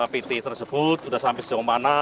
pt tersebut sudah sampai sejauh mana